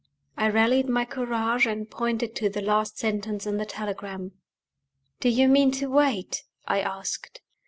I rallied my courage, and pointed to the last sentence in the telegram. "Do you mean to wait?" I asked.